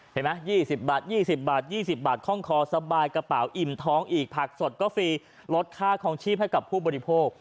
เห็นไหม๒๐บาท๒๐บาท๒๐บาทคล่องคอสบายกระเป๋าอิ่มท้องอีกผักสดก็ฟรีลดค่าคลองชีพให้กับผู้บริโภค